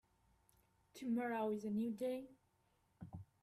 Tomorrow is a new day.